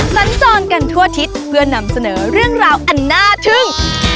สัญจรกันทั่วอาทิตย์เพื่อนำเสนอเรื่องราวอันน่าทึ่ง